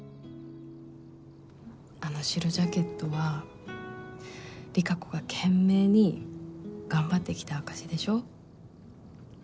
あの白ジャケットは理香子が懸命に頑張ってきた証しでしょ？